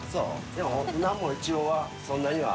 でもなんも一応はそんなには。